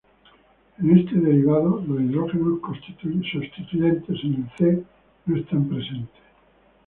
En este derivado los hidrógenos sustituyentes en el C no están presentes.